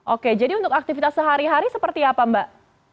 oke jadi untuk aktivitas sehari hari seperti apa mbak